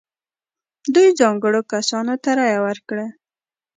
دوی ځانګړو کسانو ته رایه ورکړه.